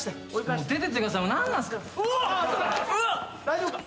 大丈夫か？